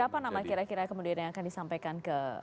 berapa nama kira kira kemudian yang akan disampaikan ke presiden jokowi